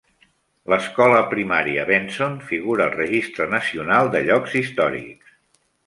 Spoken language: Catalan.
L'escola primària Benson figura al Registre Nacional de Llocs Històrics.